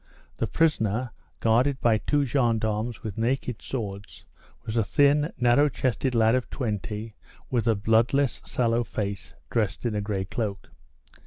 The prisoner, guarded by two gendarmes with naked swords, was a thin, narrow chested lad of 20, with a bloodless, sallow face, dressed in a grey cloak.